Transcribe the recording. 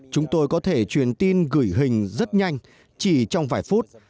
chúng tôi có thể truyền tin gửi hình rất nhanh chỉ trong vài phút